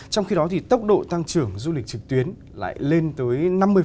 trong khi đó thì tốc độ tăng trưởng du lịch trực tuyến lại lên tới năm mươi